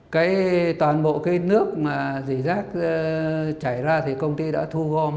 cái toàn bộ cái nước mà dỉ rác chảy ra thì công ty đã thu gom